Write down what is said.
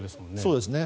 そうですね。